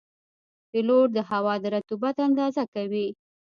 پیلوټ د هوا د رطوبت اندازه کوي.